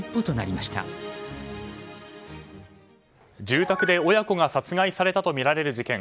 住宅で親子が殺害されたとみられる事件。